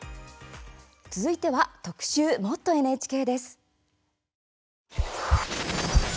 続いては特集「もっとＮＨＫ」です。